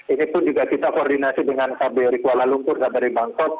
ini pun juga kita koordinasi dengan kb rikuala lumpur kb ribangkok